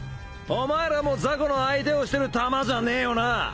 お前らも雑魚の相手をしてるタマじゃねえよな？